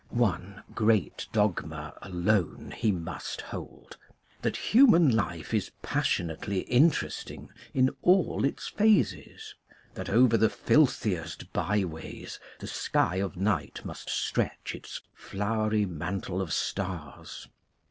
One great dogma alone he must hold that human life is passionately interesting in all its phases, that over the filthiest by ways the sky of night must stretch its flowery mantle of stars.